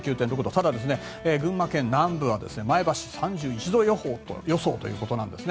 ただ、群馬県南部は前橋、３１度予想ということなんですね。